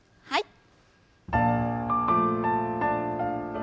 はい。